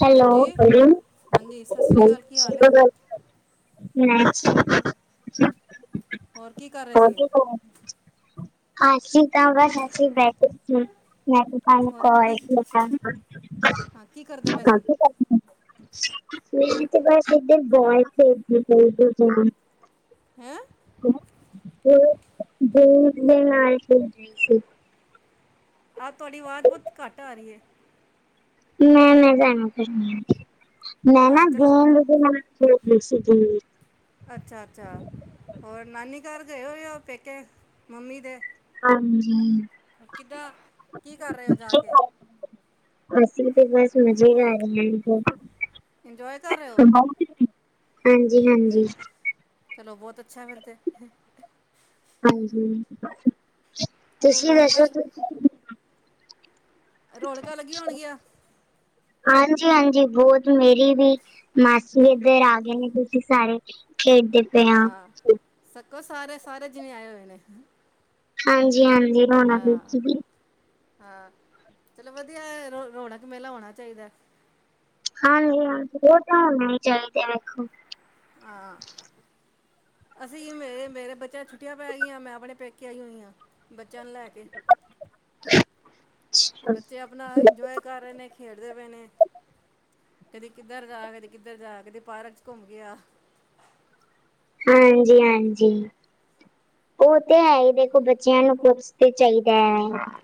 Hello ਹਾਂਜੀ [unintelligible] ਹਾਂਜੀ ਸਤਿ ਸ੍ਰੀ ਅਕਾਲ ਕੀ ਹਾਲ ਹੈ ਹੋਰ ਕੀ ਕਰ ਰਹੇ ਸੀ ਅਸੀਂ ਤਾਂ ਬੱਸ ਅਸੀਂ ਬੈਠੇ ਸੀ। [inaudible] ਹੋਰ ਕੀ ਹਾਂ ਕੀ ਕਰਦੇ ਪਏ ਸੀ ਮੇਰੀ ਤੇ ਬਸ ਐਦਰ [inaudible] ਹੈਂ [inaudible] ਆਹ ਤੁਆਡੀ ਆਵਾਜ਼ ਬਹੁਤ ਘੱਟ ਆ ਰਈ ਐ। ਮੈਂ ਨੀ ਜਾਣਾ ਫੇਰ, ਮੈਂ ਨਾ ਹਾਂ ਚਲੋ ਗੇਦ- [unintelligible] ਅੱਛਾ-ਅੱਛਾ ਹੋਰ ਨਾਨੀ ਘਰ ਗਏ ਹੋਏ। ਓ ਪੇਕੇ ਮੰਮੀ ਦੇ ਹਾਂਜੀ। ਕਿੱਦਾਂ, ਕੀ ਕਰ ਰਏ ਓ ਜਾ ਕੇ? ਅਸੀਂ ਤੇ ਬੱਸ ਮਜ਼ੇ ਕਰ ਰਏ ਇੰਜੋਏ ਕਰ ਐ। ਰਹੇ ਹੋ ਹਾਂਜੀ-ਹਾਂਜੀ। ਚਲੋ ਬਹੁਤ ਅੱਛਾ ਫੇਰ ਤੇ ਹਾਂਜੀ ਜ਼ਰੂਰ ਤੁਸੀਂ ਰੌਣਕਾਂ ਦੱਸੋ ਰੌਣਕਾਂ ਲੱਗੀਆਂ ਹੋਣਗੀਆਂ। ਹਾਂਜੀ-ਹਾਂਜੀ ਬਹੁਤ ਮੇਰੀ ਵੀ ਮਾਸੀ ਏਧਰ ਆ ਗਏ ਨੇ। ਤੁਸੀ ਸਾਰੇ ਖੇਡ ਹਾਂ ਛਕੋ ਸਾਰੇ-ਸਾਰੇ ਜਿਵੇ ਆਏ ਹੋਏ ਨੇ ਹਾਂਜੀ-ਹਾਂਜੀ ਰੌਣਕ ਹਾਂ ਚ। ਹਾਂ। ਚਲੋ ਵਧੀਆ ਰ ਰੌਣਕ ਮੇਲਾ ਹੋਣਾ ਚਾਈਦਾ। ਹਾਂਜੀ। ਹਾਂ ਉਹ ਤਾਂ ਹੋਣੇ ਚਾਈਦੇ ਦੇਖੋ। ਹਾਂ। ਅਸੀਂ ਮੇਰੇ ਮੇਰੇ ਬੱਚਿਆਂ ਨੂੰ ਛੁੱਟੀਆਂ ਪੈ ਗਈਆਂ। ਮੈਂ ਆਪਣੇ ਪੇਕੇ ਆਈ ਹੋਈ ਆ। ਬੱਚਿਆਂ ਨੂੰ ਲੈ ਕੇ। ਬੱਚੇ ਆਪਣਾ ਇੰਨਜੋਏ ਕਰ ਰਏ ਨੇ ਖੇਡਦੇ ਪਏ ਨੇ ਕਦੀ ਕਿੱਧਰ ਜਾ ਕਦੀ ਕਿੱਧਰ ਜਾ ਕਦੀ ਪਾਰਕ ਚ ਘੁੰਮ ਕੇ ਆ ਹਾਂਜੀ-ਹਾਂਜੀ। ਓ ਤੇ ਹੈ ਹੀ ਦੇਖੋ, ਬੱਚਿਆਂ ਨੂੰ ਕੁਝ ਤੇ ਚਾਈਦਾ ਐ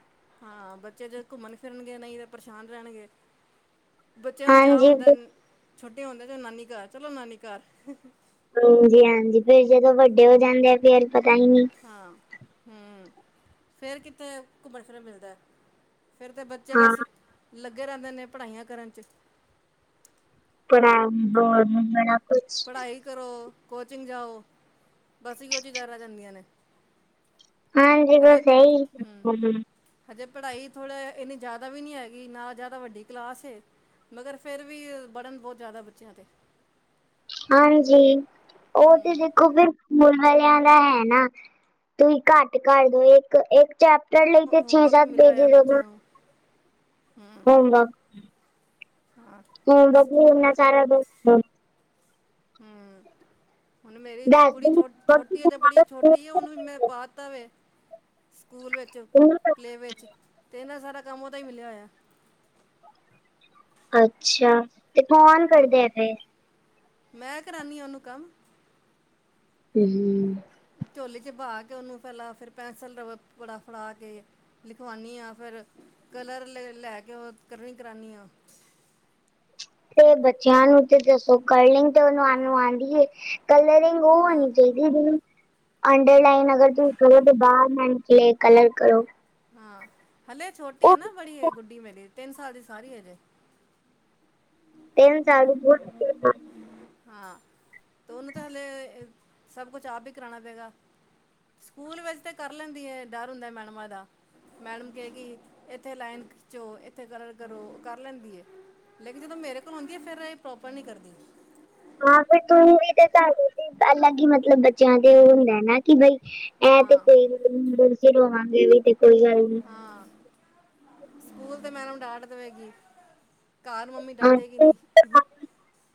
ਹਾਂ, ਬੱਚੇ ਜੇ ਘੁੰਮਣ ਫਿਰਨਗੇ ਨਈ ਤੇ ਪਰੇਸ਼ਾਨ ਰਹਿਣਗੇ। ਬੱਚਿਆਂ ਨੂੰ ਚਾਅ ਹਾਂਜੀ ਹੁੰਦਾ। ਛੋਟੇ ਹੁੰਦੇ ਚਲੋ ਨਾਨੀ ਘਰ-ਚਲੋ ਨਾਨੀ ਘਰ। ਹਾਂਜੀ-ਹਾਂਜੀ ਫੇਰ ਜਦੋ ਵੱਡੇ ਹੋ ਜਾਦੇ ਆ ਫੇਰ ਪਤਾ ਈ ਨੀ। ਹਾਂ, ਹੂੰ ਫੇਰ ਕਿੱਥੇ ਘੁੰਮਣ ਫਿਰਨ ਮਿਲਦਾ। ਫੇਰ ਤਾਂ ਬੱਚੇ ਹਾਂ ਬੱਸ ਲੱਗੇ ਰਹਿੰਦੇ ਨੇ, ਪੜ੍ਹਾਈਆਂ ਕਰਨ ਚ [unintelligible] ਪੜਾਈ ਕਰੋ ਕੋਚਿੰਗ ਜਾਓ। ਬਸ ਇਹੋ ਚੀਜ਼ਾਂ ਰਹਿ ਜਾਂਦੀਆਂ ਨੇ। ਹਾਂਜੀ ਹਜੇ ਬਸ ਹੂੰ ਇਹੀ ਹਜੇ ਪੜ੍ਹਾਈ ਥੋੜ੍ਹਾ ਏਨੀ ਜ਼ਿਆਦਾ ਵੀ ਨੀ ਹੈਗੀ, ਨਾ ਜਿਆਦਾ ਵੱਡੀ ਕਲਾਸ ਏ ਮਗਰ ਫਿਰ ਵੀ ਬੜ੍ਹਨ ਬਹੁਤ ਜ਼ਿਆਦਾ ਬੱਚਿਆਂ 'ਤੇ ਹਾਂਜੀ ੳ ਤੇ ਹੂੰ ਦੇਖੋ ਫੇਰ ਮੁੱਲ ਵਾਲਿਆਂ ਦਾ ਹੈ ਨਾ, ਤੁਸੀਂ ਘੱਟ ਕਰਦੋ ਏਕ-ਏਕ ਚੈਪਟਰ ਲਈ ਤੇ ਛੇ ਹੋਮਵਰਕ ਵੀ ਸੱਤ ਮਿਲਿਆ ਹੋਇਆ ਪੇਜਿਸ ਹੋਨਾ ਬੱਚਿਆਂ ਨੂੰ ਹੂੰ ਹਾਂ ਹੋਮਵਰਕ-ਹੋਮਵਰਕ ਵੀ ਸਕੂਲ ਇੰਨਾ ਸਾਰਾ ਦੇ ਦੀਤਾ। ਹੂੰ - ਹੁਣ ਮੇਰੀ ਦੱਸ ਕੁੜੀ ਦਿਨ ਛੋਟੀ ਏ ਤੇ ਬੜੀ ਛੋਟੀ ਏ ਉਨੂੰ ਵੀ ਮੈ ਪਾਤਾ ਵੇ ਸਕੂਲ ਵੇਚ, ਪਲੇ ਵੇਚ ਤੇ ਏਨਾਂ ਸਾਰਾ ਕੰਮ ਓਦਾ ਈ ਮਿਲਿਆ ਹੋਇਆ। ਅੱਛਾ। ਤੇ ਕੋਨ ਹਮ, ਕਰਦੇ ਨੇ। ਮੈਂ ਕਰਾਨੀ ਆ ੳਨੂੰ ਕਮ ਹੂੰ ਝੋਲੀ ਚ ਪਾ ਕੇ ਉਨੂੰ ਪੈਲਾਂ ਫੇਰ ਪੈਂਸਿਲ, ਰਬੜ ਫੜਾ ਕੇ ਲਿਖਵਾਨੀ ਆਂ ਫੇਰ ਕਲਰ ਲੇ ਲੈ ਕੇ ੳ ਕਲਰਿੰਗ ਕਰਾਨੀ ਆ। ਤੇ ਬੱਚਿਆਂ ਨੂੰ ਤੇ ਦੱਸੋ ਕਰਲੀਂਗ ਤੇ ਓਨਾਨੂੰ ਆਂਦੀ ਐ ਕਲਰਿੰਗ ਓ ਹਾਂ ਹੋਨੀ ਚਾਇ ਦੀ, ਅੰਡਰਲਾਈਨ ਅਗਰ ਤੁਸੀ ਕਰੋ ਤੇ ਬਾਹਰ ਨਾ ਨਿਕਲੇ ਕਲਰ ਕਰੋ। ਹਾਂ। ਹਲੇ ਛੋਟੀ ਏ ਉਹ ਨਾ ਬੜੀ ਗੁੱਡੀ ਮੇਰੀ ਤਿੰਨ ਸਾਲ ਦੀ ਸਾਰੀ ਹਜੇ। [inaudible] ਤੀਨ ਸਾਲ ਦੀ ਬੋਤ [unintelligible] ਹਾਂ, ਤੋ ਓਨੂੰ ਤੇ ਹਲੇ ਸਭ ਕੁਛ ਆਪ ਵੀ ਕਰਾਨਾ ਪਏਗਾ। ਸਕੂਲ ਵੇਚ ਤੇ ਕਰ ਲੈਂਦੀ ਏ, ਡਰ ਹੁੰਦਾ ਮੈਡਮਾਂ ਦਾ। ਮੈਡਮ ਕਏ ਗੀ ਏਥੇ ਲਾਈਨ ਖਿੱਚੋ, ਏਥੇ ਕਲਰ ਕਰੋ, ਕਰ ਲੈਂਦੀ ਏ। ਲੇਕਿਨ ਜਦੋ ਮੇਰੇ ਕੋਲ ਹੂੰਦੀ ਏ, ਫੇਰ ਏ ਪ੍ਰੋਪਰ ਨੀ ਕਰਦੀ। ਹਾਂ ਫੇਰ ਤੂੰ ਵੀ ਤੇ ਤੁਡੇ ਅਲੱਗ ਈ ਮਤਲਬ ਬੱਚਿਆਂ ਤੇ ਹੁੰਦਾ ਏ ਨਾ ਕਿ ਬਈ। ਐ ਤੇ ਹਾਂ ਕੋਈ ਗੱਲ ਨੀ ਅਸੀ ਰੋਵਾਂਗੇ ਵੀ ਤੇ ਕੋਈ ਗੱਲ ਨੀ। ਹਾਂ ਸਕੂਲ ਤੇ ਮੈਡਮ ਡਾਟ ਦਵੇਗੀ, ਘਾਰ ਮੰਮੀ ਹਾਂ ਡਾਟੇਗੀ ਨੀ।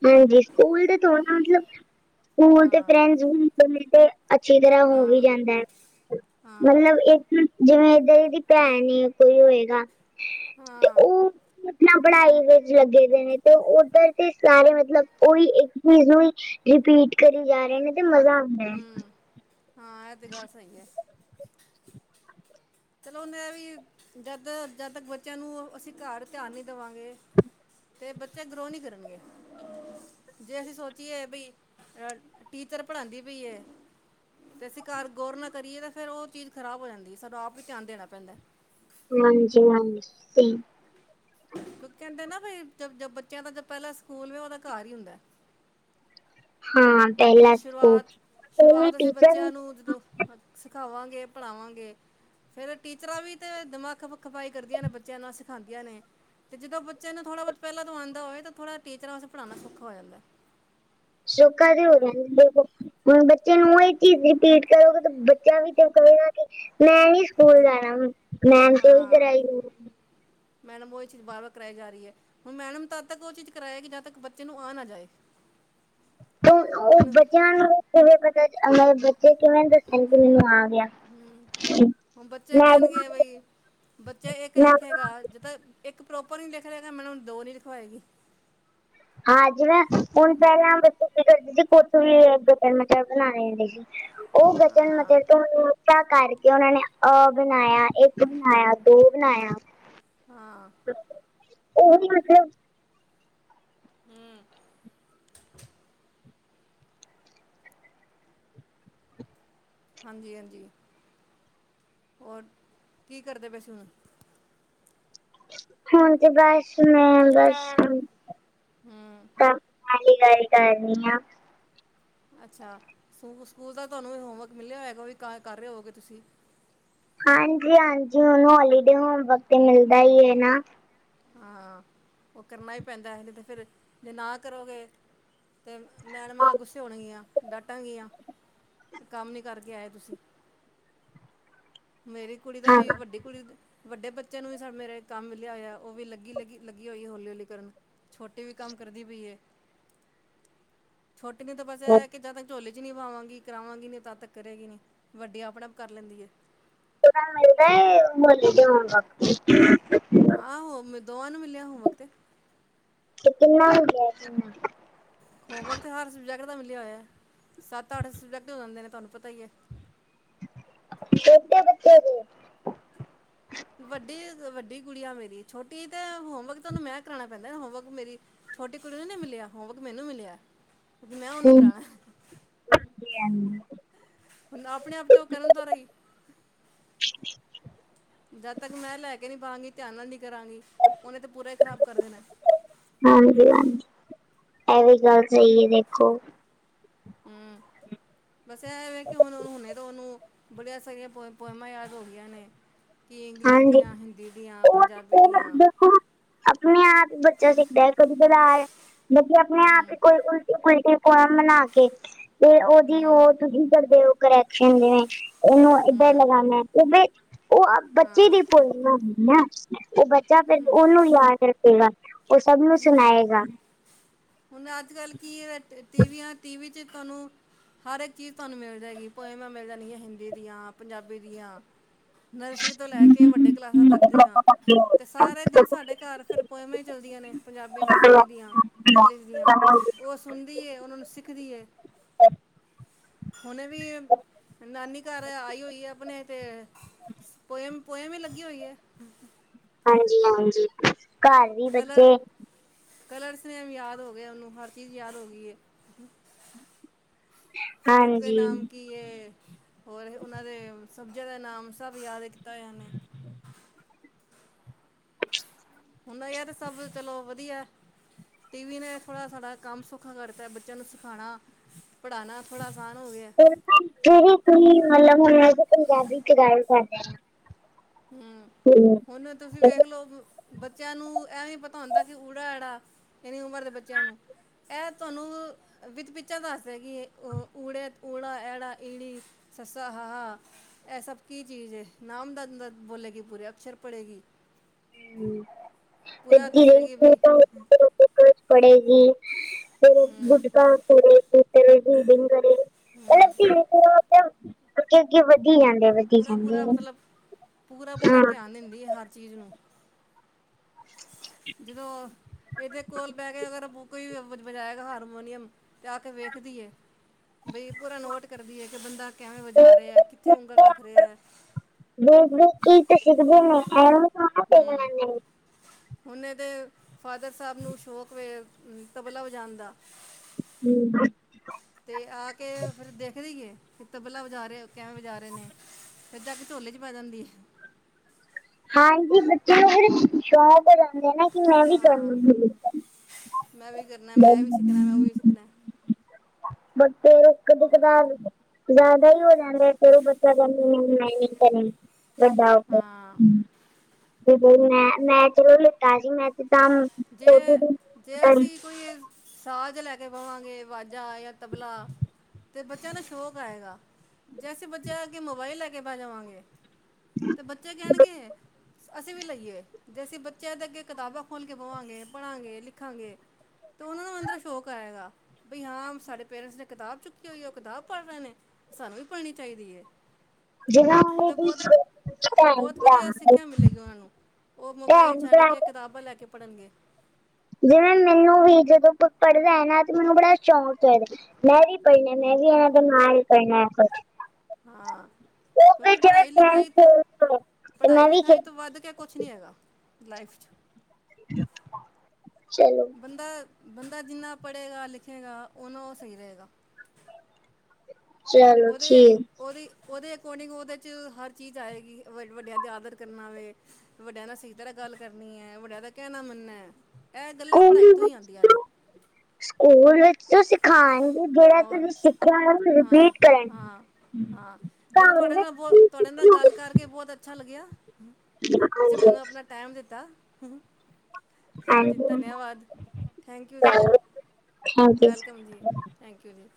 ਹਾਂਜੀ। ਸਕੂਲ ਤੇ ਥੋੜੀ ਨਾ ਮਤਲਬ ਸਕੂਲ ਦੇ ਹਾਂ ਫਰੈਂਡ ਵੀ ਮਿਲਦੇ ਅੱਛੀ ਤਰ੍ਹਾਂ ਹੋ ਵੀ ਹਾਂ ਜਾਂਦੈ। ਹਾਂ ਮਤਲਬ ਏ ਜਿਵੇਂ ਏਧਰ ਏਦੀ ਭੈਣ, ਕੋਈ ਹੋਏਗਾ। ਹਾਂ। ਆਪਨਾ ਪੜਾਈ ਵਿੱਚ ਲੱਗੇ ਦੇ ਨੇ ਤੇ ਓਧਰ ਤੇ ਸਾਰੇ ਮਤਲਬ ਓਈ ਇੱਕ ਚੀਜ਼ ਨੂੰ ਈ ਰਿਪੀਟ ਕਰੀ ਜਾ ਰਹੇ ਨੇ ਤੇ ਮਜ਼ਾ ਆਂਦਾ ਐ। ਹੂੰ ਹਾਂ ਐ ਤੇ ਗੱਲ ਸਹੀ ਏ। ਚਲੋ ਉਨ ਏਵੀ ਜਦ-ਜਦ ਤੱਕ ਬੱਚਿਆਂ ਨੂੰ ਅਸੀਂ ਘਰ ਧਿਆਨ ਨੀ ਦਵਾਂਗੇ ਫੇਰ ਬੱਚਾ ਗਰੋ ਨਹੀ ਕਰਨਗੇ। ਜੇ ਅਸੀਂ ਸੋਚੀਏ ਬਈ, ਅ ਟੀਚਰ ਪੜ੍ਹਾਦੀ ਪਈ ਏ ਤੇ ਅਸੀਂ ਘਰ ਗੋਰ ਨਾ ਕਰੀਏ ਤਾਂ ਫੇਰ ਉਹ ਚੀਜ਼ ਖ਼ਰਾਬ ਹੋ ਜਾਂਦੀ, ਸਾਨੂੰ ਆਪ ਈ ਧਿਆਨ ਦੇਨਾ ਪੈਂਦਾ। ਹਾਂਜੀ-ਹਾਂਜੀ ਸੇਮ। ਲੋਕ ਕੈਂਦੇ ਨਾ ਵੀ ਜ ਜ ਬੱਚਿਆਂ ਦਾ ਜੋ ਪੈਲਾਂ ਸਕੂਲ ਵੀ ਉਦਾ ਘਾਰ ਈ ਹੁੰਦੈ। ਹਾਂ ਜੇ ਪੈਲਾ ਸਕੂਲ। ੳਵੀ ਟੀਚਰ ਵੀ ਕੂਝਦੋ ਸਿਖਾਵਾਂਗੇ, ਪੜ੍ਹਾਵਾਂਗੇ ਫੇਰ ਟੀਚਰਾਂ ਵੀ ਤੇ ਦਿਮਾਕ ਖਪ ਖਪਾਈ ਕਰਦੀਆਂ ਨੇ, ਬੱਚਿਆਂ ਨਾਲ ਸਿਖਾਦੀਆਂ ਨੇ। ਤੇ ਜਦੋ ਬੱਚ ਨੂੰ ਥੋੜ੍ਹਾ ਬਹੁਤ ਪੈਲਾ ਤੋ ਆਦਾ ਹੋਏ, ਤਾਂ ਥੋੜ੍ਹਾ ਟੀਚਰਾਂ ਵਾਸਤੇ ਪੜ੍ਹਾਨਾ ਸੋਖਾ ਹੋ ਜਾਂਦੈ। [unintelligible] ਹੁਣ ਬੱਚੇ ਨੂੰ ਇਹ ਚੀਜ਼ ਰਿਪੀਟ ਕਰੋਗੇ ਤੇ ਬੱਚਾ ਵੀ ਤੇ ਕਰੇਗਾ ਨੀ। ਮੈਂ ਨੀ ਸਕੂਲ ਜਾਨਾ ਹੁਨ, ਮੈਮ ਤੇ ੳਈ ਹਾਂ ਕਰਾਏ ਗੀ। ਮੈਡਮ ੳਈ ਚੀਜ ਬਾਰ- ਬਾਰ ਕਰਾਈ ਜਾ ਰਹੀ ਏ। ਹੁਣ ਮੈਡਮ ਤਦ ਤੱਕ ੳਹ ਚੀਜ ਕਰਾਏਗੀ ਜਦ ਤੱਕ ਬੱਚੇ ਨੂੰ ਆ ਨਾ ਜਾਏ। [inaudible] ੳਹ ੳਹ ਹੁਣ ਬੱਚਿਆਂ ਨੂੰ ਕਿਵੇਂ ਪਤਾ ਮਤਲਬ ਬੱਚੇ ਕਿਵੇਂ ਦੱਸਣ ਕਿ ਮੈਨੂੰ ਆ ਗਿਆ। ਹੂੰ ਹੁਣ ਬੱਚੇ ਮੈਂ ਕਹਨਗੇ ਬਈ, ਬੱਚਾ ਇੱਕ ਮੈਂ ਲਿਖੇਗਾ ਜਿਦਾ ਇੱਕ ਪ੍ਰੋਪਰ ਨਹੀਂ ਲਿਖ ਰਿਹਾ ਨਾ। ਮੈਨੂੰ ਹੁਣ ਦੋ ਨਹੀਂ ਲਿਖਵਾਏਗੀ। ਹਾਂਜੀ, ਜਿਵੇ ਹੁਣ ਪਹਿਲਾਂ ਬੱਚੇ ਕੀ ਕਰਦੇ ਸੀ, ਕੁਥੋਂ ਵੀ ਗਟਰ ਮਟਰ ਬਣਾਣੇ ਹੁੰਦੇ ਸੀ। ਉਹ ਬਚਨ ਹਾਂ ਮਬ ਤੋਂ [unintelligible] ਇਧਾ ਕਰਕੇ ਉਹਨਾਂ ਨੇ ਅ ਬਣਾਇਆ, ਇਕ ਬਣਾਇਆ, ਦੋ ਬਣਾਇਆ। ਹਾਂ ਓਹ ਵੀ ਹਜੇ [inaudible] ਹੂੰ ਹਾਂਜੀ-ਹਾਂਜੀ, ਹੋਰ ਕੀ ਕਰਦੇ ਪਏ ਸੀ ਹੁਨ? ਹੁਣ ਤੇ ਬੱਸ, ਮੈਂ ਬੱਸ ਹੂੰ ਸ ਹੀ ਗੱਲ ਕਰਨੀ ਆ। [inaudible] [unintelligible] ਅੱਛਾ, ਸਕੂ ਸਕੂਲ ਦਾ ਤੁਹਾਨੂੰ ਵੀ ਹੋਮਵਰਕ ਮਿਲਿਆ ਹੋਏਗਾ, ਓਵੀ ਕਰ ਰਹੇ ਹੋਗੇ, ਤੁਸੀਂ। ਹਾਂਜੀ-ਹਾਂਜੀ, ਹੁਣ ਹੋਲੀਡੇ ਹੋਮ ਵਕ ਤੇ ਮਿਲਦਾ ਹੀ ਏ ਨਾ। ਹਾਂ ਉਹ ਕਰਨਾ ਹੀ ਪੈਂਦਾ ਹੈ, ਨਈ ਤੇ ਫਿਰ ਜੇ ਨਾ ਕਰੋਗੇ ਤੇ ਮੈਡਮਾਂ ਗੁੱਸੇ ਹੋਨਗੀਆਂ ਡਾਟਨ ਗੀਆਂ। ਕੰਮ ਨੀ ਕਰਕੇ ਆਏ ਤੁਸੀਂ ਮੇਰੀ ਕੁੜੀ ਦਾ ਹਾਂ ਵੀ ਵੱਡੀ ਕੁੜੀ ਵੱਡੇ ਬੱਚੇ ਨੂੰ ਵੀ ਮੇਰੇ, ਕੰਮ ਮਿਲਿਆ ਹੋਇਆ। ਉਹ ਵੀ ਲੱਗੀ-ਲੱਗੀ, ਲੱਗੀ ਹੋਈ ਹੌਲੀ, ਹੌਲੀ ਕਰਨ ਛੋਟੀ ਵੀ ਕੰਮ ਕਰਦੀ ਪਈ ਹੈ ਛੋਟੀ ਨੂੰ ਤਾਂ ਬਸ ਇਹ ਹੈ ਕਿ ਜਦ ਝੋਲੀ ਚ ਨੀ ਬਾਵਾਂਗੀ, ਕਰਾਵਾਂਗੀ ਨੀ ਤਾਂ ਤੱਕਰ ਕਰੋਗੀ ਨੀ ਵੱਡੀ ਆਪਣੇ ਆਪ ਕਰ ਲੈਂਦੀ ਏ। [unintelligible] ਆਹੋ, ਮ ਦੋਵਾਂ ਨੂੰ ਮਿਲਿਆ ਹੋਮ ਵਰਕ ਤੇ ਤੇ ਕਿੰਨਾ ਹੋ ਗਿਐ ਹੋਮਵਰਕ ਤੇ ਹਰ ਸਬਜੈਕਟ ਦਾ ਮਿਲਿਆ ਹੋਇਐ, ਸੱਤ- ਅੱਠ ਸਬਜੈਕਟ ਹੋ ਜਾਂਦੇ ਨੇ, ਤੁਹਾਨੂੰ ਪਤਾ ਹੀ ਏ। ਕਿ ਬੱਚੇ ਦੇ, [inaudible] ਵੱਡੀ ਵੱਡੀ ਗੁੜੀਆ ਮੇਰੀ, ਛੋਟੀ ਤੇ ਹੋਮਵਰਕ ਤੇ ਓਨੂੰ ਮੈਂ ਕਰਾਣਾ ਪੈਂਦਾ, ਹੋਮਵਰਕ ਮੇਰੀ ਛੋਟੇ ਕੁੜੀ ਨੂੰ ਨੀ ਮਿਲਿਆ, ਹੋਮਵਰਕ ਮੈਨੂੰ ਮਿਲਿਐ ਕਿਉਂਕਿ ਮੈਂ ਓਹਨੂੰ ਕਰਾਣੈ। [inaudible] ਹੁਨ ਆਪਣੇ ਆਪ ਤੇ ਉਹ ਕਰਨ ਤੋਂ ਰਹੀ। [unintelligible] ਜਦ ਤੱਕ ਮੈਂ ਲੈ ਕੇ ਨਹੀਂ ਬਾਹਂਗੀ ਧਿਆਨ ਨਾਲ ਨਹੀਂ ਕਰਾਂਗੀ, ਉਹਨੇ ਤੇ ਪੂਰਾ ਹੀ ਖ਼ਰਾਬ ਕਰ ਦੇਣਾ ਹਾਂਜੀ-ਹਾਂਜੀ, ਇਹ ਵੀ ਗੱਲ ਸਹੀ ਏ, ਦੇਖੋ। ਹੂੰ ਬਸ ਇਹਵੇਂ ਕਿ ਹੁਣ ਹੁਣੇ ਤੋੰ ਉਹਨੂੰ ਬੜੀਆਂ ਸਾਰੀਆਂ ਪੋਇ ਪੋਇਮਾਂ ਯਾਦ ਹੋ ਗਈਆਂ ਨੇ ਕਿ ਇੰਗਲਿਸ਼ ਹਾਂਜੀ ਦੀਆਂ, ਹਿੰਦੀ ਦੀਆਂ, ਪੰਜਾਬੀ ਦੀਆਂ ਆਪਨੇ ਆਪ ਈ ਬੱਚਾ ਸਿੱਖਦੈ ਕਦੀ ਕਦਾਰ, ਬੱਚੇ ਆਪਨੇ ਆਪ ਇ ਹੂੰ ਕੋਈ ਉਲਟੀ ਪੁਲਟੀ ਪੋਯਮ ਬਣਾ ਕੇ ਤੇ ਓਹਦੀ ਹੂੰ ਓਹ ਤੁਸੀਂ ਕਰਦੇ ਹੋ ਕਰੈਕਸ਼ਨ, ਜਿਵੇਂ ਓਹਨੂੰ ਏਧਰ ਹੂੰ ਲਗਾਨੈ ਕੇ ਭੀ ਓ ਬੱਚੇ ਹਾਂ ਦੀ ਪੋਯਮ ਹੈ ਨਾ, ਓ ਬੱਚੇ ਜਾਂ ਫਿਰ ਓਹਨੂੰ ਯਾਦ ਰੱਖੇਗਾ ਓਹ ਸਭ ਨੂੰ ਸੁਨਾਏਗਾ ਹੁਣ ਅੱਜ ਕੱਲ੍ਹ ਕੀ ਹੈ, ਟੀਵੀਆਂ ਟੀਵ ਚ ਤੁਹਾਨੂੰ ਹਰ ਇੱਕ ਚੀਜ਼ ਤੁਹਾਨੂੰ ਮਿਲ ਜਾਏਗੀ--ਪੋਇਮਾਂ ਮਿਲ ਜਾਨਗੀਆਂ, ਹਿੰਦੀ ਦੀਆਂ, ਪੰਜਾਬੀ ਦੀਆਂ ਨਰਸਰੀ ਤੋਂ ਲੈ ਕੇ ਵੱਡੇ ਕਲਾਸਾਂ ਤੱਕ ਦੀਆਂ ਤੇ ਸਾਰੇ ਦਿਨ ਸਾਡੇ ਘਰ ਫਿਰ ਪੋਇਮਾਂ ਹੀ ਚੱਲਦੀਆਂ ਨੇ ਪੰਜਾਬੀ ਦੀ, ਹਿੰਦੀ ਦੀਆਂ ਇੰਗਲਿਸ਼ ਦੀਆਂ ਓਹ ਸੁਨਦੀ ਏ, ਓਹਨਾ ਨੂੰ ਸਿੱਖਦੀ ਏ ਹੁਨੇ ਵੀ ਨਾਨੀ ਦੇ ਘਰ ਆਈ ਹੋਈ ਏ ਆਪਨੇ ਤੇ, ਪੋਯਮ ਪੋਯਮ ਹੀ ਲੱਗੀ ਹੋਈ ਏ ਹਾਂਜੀ- ਹਾਂਜੀ, ਘਰ ਵੀ ਕਲਰ ਬੱਚੇ ਕਲਰਸ ਨੇਮ ਯਾਦ ਹੋ ਗਏ ਓਹਨੂੰ, ਹਰ ਚੀਜ਼ ਯਾਦ ਹੋ ਗਈ ਏ। ਫਰੂਟ ਦੇ ਹਾਂਜੀ ਨਾਮ ਕੀ- ਤੇ ਹੋਰ ਉਹਨਾਂ ਦੇ, ਸਬਜ਼ਿਆਂ ਦੇ ਨਾਮ, ਸਭ ਯਾਦ ਕੀਤਾ ਹੋਇਆ ਓਨੇ [unintelligible] ਹੁਣ ਯਾਰ ਸਭ ਚਲੋ ਵਧੀਆ ਟੀ ਵੀ ਨੇ ਥੋੜ੍ਹਾ ਸਾਡਾ ਕੰਮ ਸੌਖਾ ਕਰਤਾ ਬੱਚਿਆਂ ਨੂੰ ਸਿਖਾਉਣਾ ਪੜ੍ਹਾਉਣਾ ਥੋੜ੍ਹਾ ਆਸਾਨ ਹੋ ਗਿਆ। ਫਰੇ ਤੁਸੀਂ ਮੱਲ ਮਨਿਆਜ ਪੰਜਾਬੀ ਚ ਗਾਏਗਾ। ਹਮ ਹੁਨ ਤੁਸੀ ਫਿਰ ਵੇਖ ਲਓ। ਬੱਚਿਆਂ ਨੂੰ ਇਹ ਨੀ ਪਤਾ ਹੁੰਦਾ ਕਿ ਉੜਾ ਆੜਾ ਇੰਨੀ ਉਮਰ ਦੇ ਬੱਚਿਆਂ ਨੂੰ ਇਹ ਤੁਹਾਨੂੰ ਵਿਦ ਪਿਕਚਰ ਦਸਦੇਗੀ ਕਿ ਉੜਾ ਐੜਾ ਈੜੀ। ਸ ਹ ਇਹ ਸਭ ਕੀ ਚੀਜ ਏ ਨਾਮ ਦ ਬੋਲੇਗੀ ਪੁਰੇ ਅਕਸ਼ਰ ਪੜੇਗੀ। [unintelligible] ਪੂਰਾ ਕਜ਼ ਦੱਸੇਗੀ ਵੀ ਪੜੇਗੀ ਤੇ ਫੇਰ ਗੁਟਕਾ ਪੜੇਗੀ। ਪਹਿਲੇ ਰੀਡਿੰਗ ਕਰੇ ਮਤਲਬ ਧੀਰੇ ਧੀਰੇ ਅੱਗੇ ਅੱਗੇ ਵਧੀ ਜਾਂਦੇ ਬਚ ਪੂਰਾ ਪੂਰਾ ਮਤਲਬ ਪੂਰਾ ਪੂਰਾ ਧਿਆਨ ਦਿੰਦੀ ਏ ਹਰ ਚੀਜ਼ ਨੂੰ। ਜਦੋਂ ਇਹਦੇ ਕੋਲ ਬਹਿ ਗ ਅਗਰਰਾ ਕੋਈ ਵਜਾਏਗਾ ਹਾਰਮੋਨੀਅਮ ਤੇ ਆ ਕੇ ਵੇਖਦੀਏ। ਬਈ ਪੂਰਾ ਨੋਟ ਕਰਦੀ ਏ। ਕਿ ਬੰਦਾ ਕੈਵੇ ਤੇ ਵਜਾ ਰਿਹਾ ਹੈ ਕਿੱਥੇ ਉਂਗਲ ਰੱਖ ਰਿਹਾ ਹੈ। ਦੇਖ ਦੇਖ ਕੇ ਈ ਤੇ ਸਿੱਖਦੇ ਨੇ ਐਖ ਹੁਨ ਏਹਦੇ ਫਾਦਰ ਸਾਹਿਬ ਨੂੰ ਸ਼ੌਕ ਵੇ ਤਬਲਾ ਵਜਾਨ ਦਾ। ਹਮ। ਤੇ ਆ ਕੇ ਫਿਰ ਦੇਖ ਦੇਈਏ ਕਿ ਤਬਲਾ ਵਜਾਰੇ ਕੈਵੇਂ ਵਜਾ ਰਹੇ ਨੇ। ਫਿਰ ਜਾ ਕੇ ਝੋਲੀ ਚ ਬੈ ਜਾਂਦੀ ਏ। ਹਾਂਜੀ ਬੱਚੇ ਨੂੰ ਫਿਰ ਸ਼ੌਕ ਹੋ ਜਾਂਦੈ ਨਾ। ਹਾਂ ਮੈਂ ਵੀ ਕਰਨਾ ਮੈਂ ਵੀ ਸਿੱਖਣਾ ਮੈਂ ਉਹ ਵੀ ਸਿੱਖਣਾ [unintelligible] ਬੱਚੇ ਕਦੇ ਹੋਰ ਕਦਾਰ ਜ਼ਿਆਦਾ ਹੀ ਹੋ ਜੈਂਦੇ ਫੇਰ ਉਹ ਬੱਚਾ ਕਰਨੀ ਕਰਨ ਬਦਾ ਹਾਂ। ਮੈਂ ਮੈਂ ਤਾਜ਼ੀ ਮੈਂਚ ਤਾਂਮ ਜੇ ਖਟ ਦ ਜੇ ਅਸੀਂ ਕੋਈ ਸਾਜ ਲੈ ਕੇ ਬਵਾਂਗੇ ਵਾਜਾਂ ਯਾਂ ਤਬਲਾ। ਤੇ ਬੱਚਿਆਂ ਨੂੰ ਸ਼ੌਕ ਆਏਗਾ। ਜੇ ਅਸੀਂ ਬੱਚੇਆ ਦੇ ਅਗੇ ਮੋਬਾਈਲ ਲੈ ਕੇ ਬੈ ਜਾਵਾਂਗੇ ਤੇ ਬੱਚੇ ਕਹਿਣਗੇ ਅਸੀਂ ਵੀ ਲਈਏ ਜੇ ਅਸੀਂ ਬੱਚਿਆਂ ਦੇ ਅੱਗੇ ਕਿਤਾਬਾਂ ਖੋਲ੍ਹ ਕੇ ਪੜਾਂਗੇ ਲਿਖਾਂਗੇ। ਤਾਂ ਉਹਨਾਂ ਨੂੰ ਅੰਦਰ ਦਾ ਸ਼ੌਕ ਆਏ ਗਾ ਬਈ ਹਾਂ ਸਾਡੇ ਪੇਰੈਂਟਸ ਨੇ ਕਿਤਾਬ ਚੁੱਕੀ ਹੋਈ ਉਹ ਕਿਤਾਬ ਪੜ੍ਹ ਰਹੇ ਨੇ। ਸਾਨੂੰ ਵੀ ਪੜਨੀ ਚਾਹੀਦੀ ਐ। ਜਿਵੇਂ ਮ ਉਹਨੇ ਤਾਂ ਦੀ ਬਹੁਤ ਭੈਣ ਬਹੁਤ ਵਧੀਆ ਭਰਾ ਸਿੱਖਿਆ ਮਿਲੇਗੀ ਉਹਨਾਂ ਨੂੰ। ਉਹ ਮੋਬਾਇਲ ਭੈਣ ਛੱਡ ਭਰਾ ਕੇ ਕਿਤਾਬਾਂ ਲੈ ਕੇ ਪੜ੍ਹਨਗੇ। ਜਿਵੇਂ ਮੈਨੂੰ ਵੀ ਜਦੋਂ ਕੋਈ ਪੜਦਾ ਏ ਨਾ ਤੇ ਮੈਨੂੰ ਬੜਾ ਸ਼ੌਕ ਮੈਂਰੀ ਪ ਮੈਂਰੀ ਤੇ ਮ ਵੀ ਪ ਹਾਂ ਕਿਉਂਕਿ ਪੜ੍ਹਾਈ ਫਰੈਂਡ ਲਿਖਾਈ ਤੋਂ ਖੇਡਦੇ ਹੈ, ਤੇ ਪੜ੍ਹਾਈ ਮੈਂ ਵੀ ਲਿਖਾਈ ਖੇਡ ਤੋਂ ਵੱਧ ਕੇ ਕੁਛ ਨਹੀ ਹੈਗਾ ਲਾਈਫ ਚ। ਚਲ ਬੰਦਾ ਬੰਦਾ ਜਿੰਨਾ ਪੜ੍ਹੇਗਾ ਲਿਖੇਗਾ ਓਨਾ ਉਹ ਸਹੀ ਰਹੇਗਾ। ਚਲੋ ਉਹਦੇ ਠੀਕ ਓਹਦੀ ਓਹਦੇ ਅਕੋਰਡਿੰਗ ਓਹਦੇ ਚ ਹਰ ਚੀਜ਼ ਆਏਗੀ ਵ ਵੱਡਿਆਂ ਦਾ ਆਦਰ ਕਰਨਾ ਵੇ। ਵੱਡਿਆਂ ਨਾਲ ਸਹੀ ਤਰਹਾ ਗੱਲ ਕਰਨੀ ਐ ਵੱਡਿਆਂ ਦਾ ਕਹਿਨਾਂ ਮੰਨਨਾ ਏ। ਉਹ ਵੀ ਸਕੂਲ ਵਿੱਚ ਤ ਸਿਖਾਉਣਗੇ ਜਿਹੜਾ ਹੋਰ ਤੁਸੀ ਸਿੱਖਿਆ ਹਾਂ ਰਿਪੀਟ ਕਰ ਹਾਂ ਹਾਂ ਚਲੋ ਤੁਹਾਡੇ ਵਿੱਚ ਨਾਲ ਬੋ ਕੀ ਤੁਹਾਡੇ ਨਾਲ ਗੱਲ ਸਿੱਖੋਗੇ ਕਰ ਕੇ ਬਹੁਤ ਅੱਛਾ ਲੱਗਿਆ ਤੁਸੀ ਹਾਂਜੀ ਮੈਨੂੰ ਆਪਨਾ ਟਾਈਮ ਦਿੱਤਾ। ਚਲੋ ਜੀ ਹਾਂਜੀ ਧੰਨਿਆਵਾਦ ਥੈਂਕ ਯੂ ਜੀ ਥੈਂਕ ਯੂ ਵੈਲਕਮ ਜੀ। ਥੈਂਕ ਯੂ ਜੀ।